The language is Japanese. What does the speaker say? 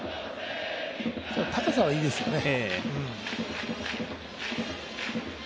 高さはいいですよね。